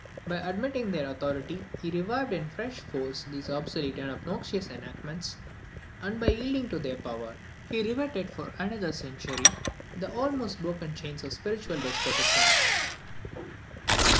By admitting their authority, he revived in fresh force these obsolete and obnoxious enactments; and, by yielding to their power, he riveted for another century the almost broken chains of spiritual despotism.